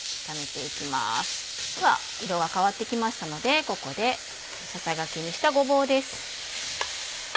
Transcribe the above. では色が変わってきましたのでここでささがきにしたごぼうです。